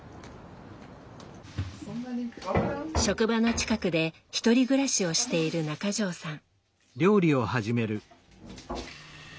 職場の近くで１人暮らしをしている中条さん。